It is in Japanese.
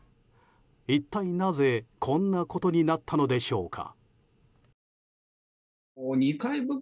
一体なぜ、こんなことになったのでしょうか。